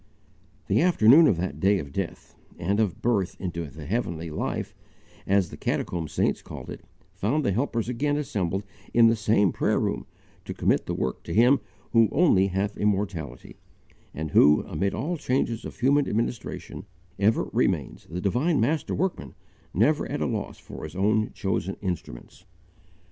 The afternoon of that day of death, and of 'birth' into the heavenly life as the catacomb saints called it found the helpers again assembled in the same prayer room to commit the work to him "who only hath immortality," and who, amid all changes of human administration, ever remains the divine Master Workman, never at a loss for His own chosen instruments.